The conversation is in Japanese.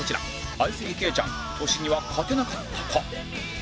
相席ケイちゃん年には勝てなかったか